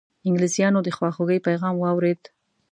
انګلیسیانو د خواخوږی پیغام واورېد.